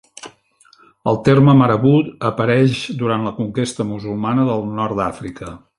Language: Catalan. El terme Marabout apareix durant la conquesta musulmana del nord d'Àfrica.